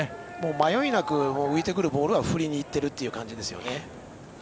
迷いなく浮いてくるボールは振りにいっている感じですね。